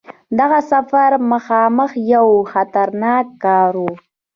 دغه سفر خامخا یو خطرناک کار وو.